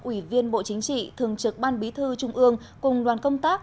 ủy viên bộ chính trị thường trực ban bí thư trung ương cùng đoàn công tác